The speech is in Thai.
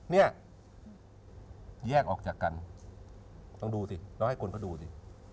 เนี่ยแยกออกจากกันต้องดูสิเราให้คนเขาดูสิ